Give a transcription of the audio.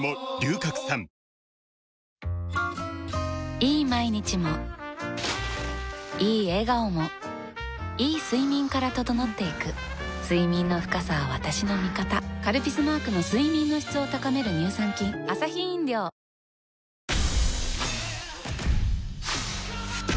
いい毎日もいい笑顔もいい睡眠から整っていく睡眠の深さは私の味方「カルピス」マークの睡眠の質を高める乳酸菌「和紅茶」が無糖なのは、理由があるんよ。